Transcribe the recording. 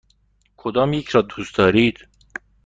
کدامیک را دوست دارید؟